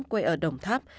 quê ở đồng tháp